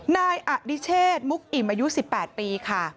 นายอดิเชษมุกอิ่มอายุ๑๘ปีค่ะ